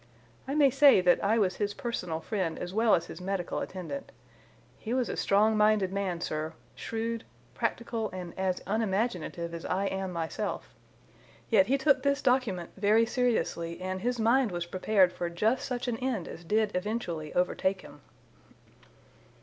I may say that I was his personal friend as well as his medical attendant. He was a strong minded man, sir, shrewd, practical, and as unimaginative as I am myself. Yet he took this document very seriously, and his mind was prepared for just such an end as did eventually overtake him."